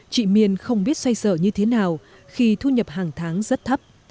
chị miên không biết xoay sở như thế nào khi thu nhập hàng tháng rất thấp